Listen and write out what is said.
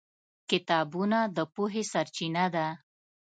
کتابونه د پوهې سرچینه ده.